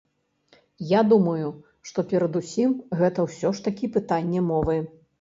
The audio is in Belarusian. Я думаю, што перадусім гэта ўсё ж такі пытанне мовы.